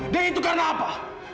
dan itu karena apa